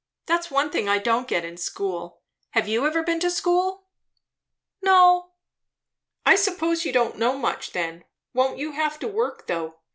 That's one thing I don't get in school. Have you ever been to school?" "No." "I suppose you don't know much, then. Won't you have to work, though!